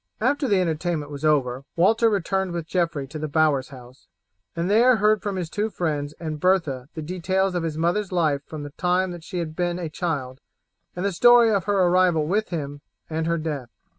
After the entertainment was over Walter returned with Geoffrey to the bowyer's house, and there heard from his two friends and Bertha the details of his mother's life from the time that she had been a child, and the story of her arrival with him, and her death.